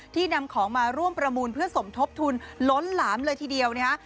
นำของมาร่วมประมูลเพื่อสมทบทุนล้นหลามเลยทีเดียวนะฮะ